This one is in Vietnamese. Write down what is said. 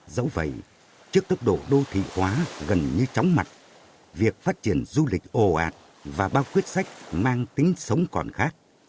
dẫu vậy trước tốc độ đô thị hóa gần như chóng mặt việc phát triển du lịch ồ ạt và bao quyết sách mang tính sống còn khác